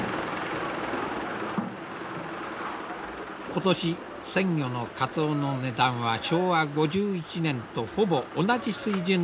今年鮮魚のカツオの値段は昭和５１年とほぼ同じ水準で動いている。